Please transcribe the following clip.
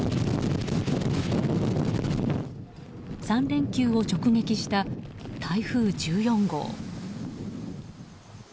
３連休を直撃した台風１４号。